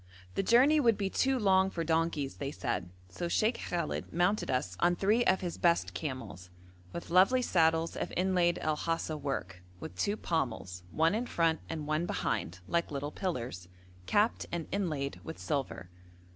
The journey would be too long for donkeys, they said, so Sheikh Khallet mounted us on three of his best camels, with lovely saddles of inlaid El Hasa work, with two pommels, one in front and one behind, like little pillars, capped and inlaid with silver.